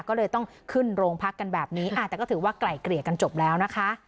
ก็เลยต้องขึ้นโรงพักกันแบบนี้แต่ก็ถือว่าไกล่เกลี่ยกันจบแล้วนะคะ